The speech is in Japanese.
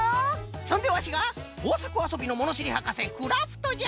そんでわしがこうさくあそびのものしりはかせクラフトじゃ！